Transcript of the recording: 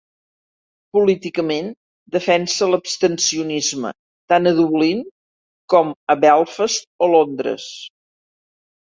Políticament defensa l'abstencionisme tant a Dublín com a Belfast o Londres.